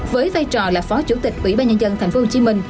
với vai trò là phó chủ tịch ủy ban nhân dân tp hcm